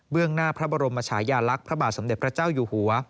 หน้าพระบรมชายาลักษณ์พระบาทสมเด็จพระเจ้าอยู่หัว